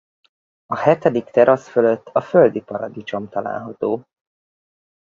A hetedik terasz fölött a földi Paradicsom található.